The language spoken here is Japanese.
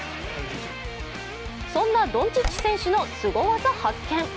そんなドンチッチ選手のすご技発見。